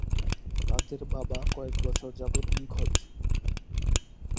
তাদের বাবা কয়েক বছর যাবৎ নিখোঁজ।